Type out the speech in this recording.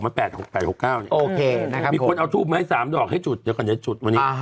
มีคนเอาทูบมาให้สามเดาะออกให้จุดเดี๋ยวก่อนจะจุดมาที่นี่